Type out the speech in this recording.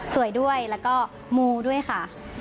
สวยด้วยแล้วก็มูด้วยค่ะ